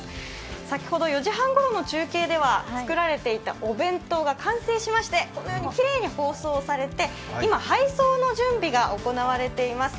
先ほど４時半ごろの中継では作られていたお弁当が完成しましてこのようにきれいに包装されて今、配送の準備が行われています。